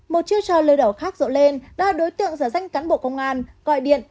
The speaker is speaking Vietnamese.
một chiêu trò lừa đảo khác rộ lên đã đối tượng giả danh cán bộ công an gọi điện